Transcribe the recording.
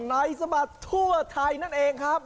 ในสบัดทั่วไทยนั่นเองครับ